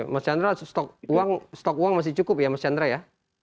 mas chandra stok uang masih cukup ya mas chandra ya